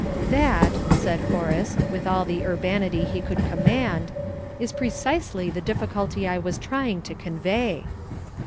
"That," said Horace, with all the urbanity he could command, "is precisely the difficulty I was trying to convey."